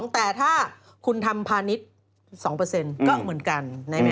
แต่ถ้าคุณทำพาณิชย์๒ก็เหมือนกัน